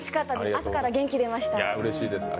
朝から元気出ました。